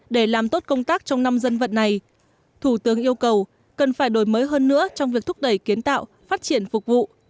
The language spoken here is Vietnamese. để làm tốt công tác trong năm dân vận này thủ tướng yêu cầu cần phải đổi mới hơn nữa trong việc thúc đẩy kiến tạo phát triển phục vụ